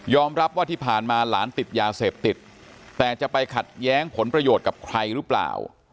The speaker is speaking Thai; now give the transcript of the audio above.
รับว่าที่ผ่านมาหลานติดยาเสพติดแต่จะไปขัดแย้งผลประโยชน์กับใครหรือเปล่า